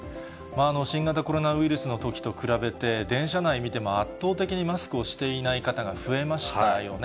新型コロナウイルスのときと比べて、電車内見ても圧倒的にマスクをしていない方が増えましたよね。